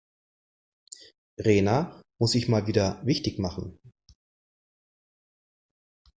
Rena muss sich mal wieder wichtig machen.